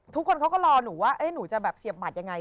ทุกคนเขาก็รอหนูว่าหนูจะแบบเสียบบัตรยังไง